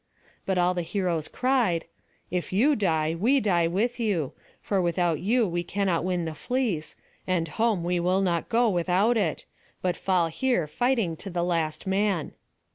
But all the heroes cried: "If you die, we die with you; for without you we cannot win the fleece, and home we will not go without it, but fall here fighting to the last man."